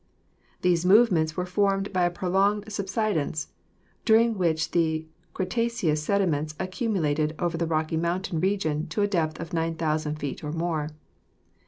These movements were followed by a prolonged subsidence, dur ing which Cretaceous sediments accumulated over the Rocky Mountain region to a depth of 9,000 feet or more.